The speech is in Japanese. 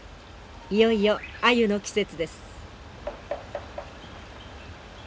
いよいよアユの季節です。